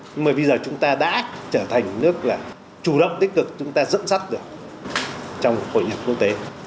nhưng mà bây giờ chúng ta đã trở thành nước là chủ động tích cực chúng ta dẫn dắt được trong hội nhập quốc tế